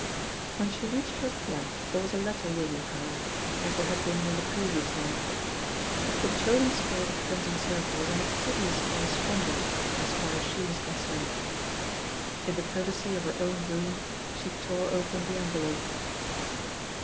When she reached her flat there was a letter waiting for her, as there had been on the previous night. The controlling spirit of the Crimson Circle was an assiduous correspondent as far as she was concerned. In the privacy of her own room she tore open the envelope.